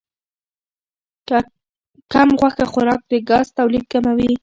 کم غوښه خوراک د ګاز تولید کموي.